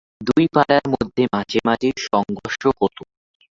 দুই পাড়ার মধ্যে মাঝে মাঝেই সংঘর্ষ হত।